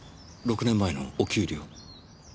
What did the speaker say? ６年前のお給料。